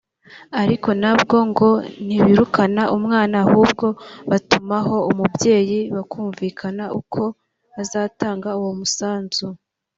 ariko nabwo ngo ntibirukana umwana ahubwo batumaho umubyeyi bakumvikana uko azatanga uwo musanzu